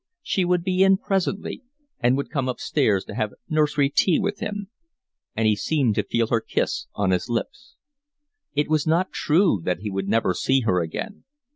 She would be in presently and would come upstairs to have nursery tea with him. And he seemed to feel her kiss on his lips. It was not true that he would never see her again.